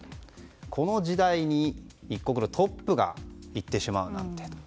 この時代に一国のトップが言ってしまうなんて。